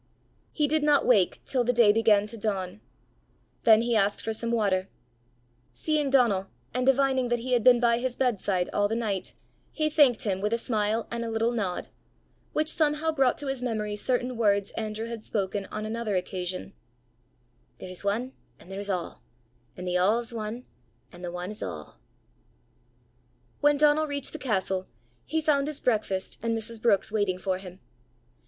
He did not wake till the day began to dawn. Then he asked for some water. Seeing Donal, and divining that he had been by his bedside all the night, he thanked him with a smile and a little nod which somehow brought to his memory certain words Andrew had spoken on another occasion: "There's ane, an' there's a'; an' the a' 's ane, an' the ane 's a'." When Donal reached the castle, he found his breakfast and Mrs. Brookes waiting for him.